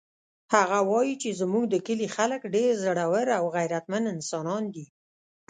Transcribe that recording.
هغه وایي چې زموږ د کلي خلک ډېر زړور او غیرتمن انسانان دي